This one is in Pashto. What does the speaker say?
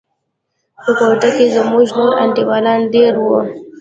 په کوټه کښې زموږ نور انډيوالان دېره وو.